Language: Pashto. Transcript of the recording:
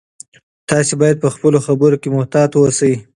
تاسي باید په خپلو خبرو کې محتاط اوسئ.